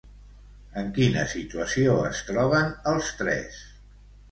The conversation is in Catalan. En quina situació es troben els tres?